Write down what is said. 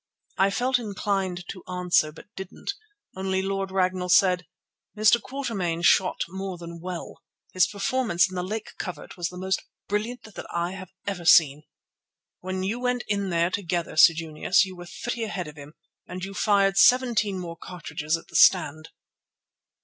I felt inclined to answer, but didn't. Only Lord Ragnall said: "Mr. Quatermain shot more than well. His performance in the Lake covert was the most brilliant that I have ever seen. When you went in there together, Sir Junius, you were thirty ahead of him, and you fired seventeen more cartridges at the stand."